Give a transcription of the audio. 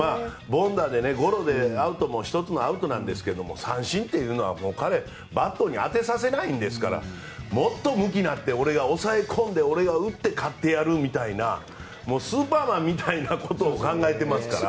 凡打でゴロで１つもアウトなんですけど三振というのは彼、バットに当てさせないんですからもっと向きになって俺が抑え込んで俺が打って勝ってやるみたいなスーパーマンみたいなことを考えてますから。